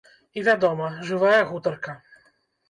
І вядома, жывая гутарка.